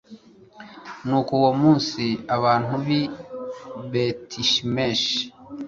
nuko uwo munsi, abantu b'i betishemeshi